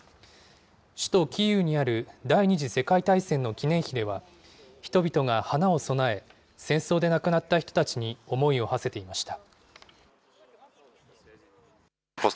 首都キーウにある第２次世界大戦の記念碑では、人々が花を供え、戦争で亡くなった人たちに思いをはせていました。